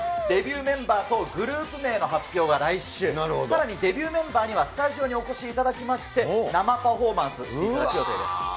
デビューメンバーとグループ名の発表は来週、さらにデビューメンバーにはスタジオにお越しいただきまして、生パフォーマンスしていただく予定です。